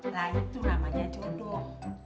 nah itu namanya jodoh